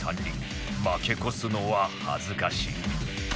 負け越すのは恥ずかしい